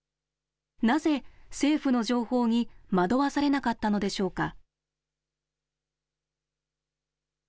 なぜ政府の情報に惑わされなかったのでしょうか。